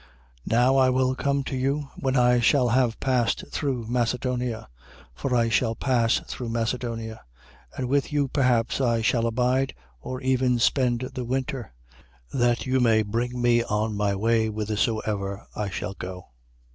16:5. Now I will come to you, when I shall have passed through Macedonia. For I shall pass through Macedonia. 16:6. And with you perhaps I shall abide, or even spend the winter: that you may bring me on my way whithersoever I shall go.